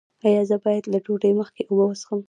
ایا زه باید له ډوډۍ مخکې اوبه وڅښم؟